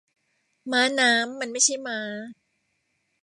ม้าน้ำ มันไม่ใช่ม้า